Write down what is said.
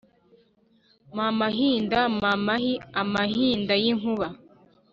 Mamahinda mamahi-Amahinda y'inkuba.